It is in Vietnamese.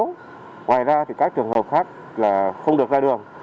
ngoài ra thì các trường hợp khác là không được ra đường